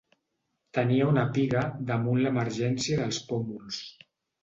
Tenia una piga damunt l'emergència dels pòmuls.